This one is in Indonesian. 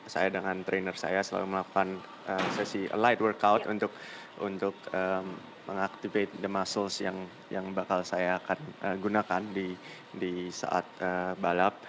saya dengan trainer saya selalu melakukan sesi light workout untuk mengaktifkan the muscles yang bakal saya akan gunakan di saat balap